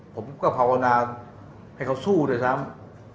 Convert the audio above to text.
ผมก็ภาวนาให้เขาสู้ด้วยซ้ำ